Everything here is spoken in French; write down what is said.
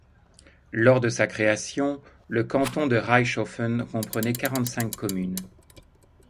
Lors de sa création, le canton de Reichshoffen comprenait quarante-cinq communes.